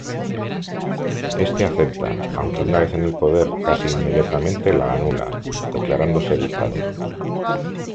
Este acepta, aunque una vez en poder casi inmediatamente la anula, declarándose dictador.